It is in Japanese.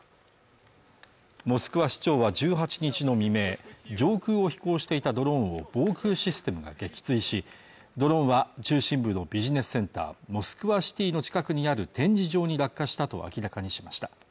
モスクワ市長は１８日の未明、上空を飛行していたドローンを防空システムが撃墜しドローンは中心部のビジネスセンター、モスクワシティの近くにある展示場に落下したと明らかにしました